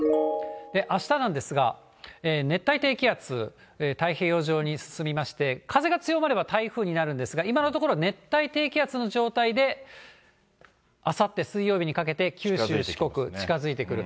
あしたなんですが、熱帯低気圧、太平洋上に進みまして、風が強まれば台風になるんですが、今のところ熱帯低気圧の状態であさって水曜日にかけて九州、四国近づいてくる。